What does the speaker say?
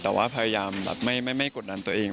แต่ว่าพยายามแบบไม่กดดันตัวเอง